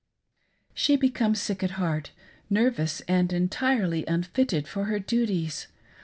She becomes sick at heart, nervous and entirely unfitted for her duties.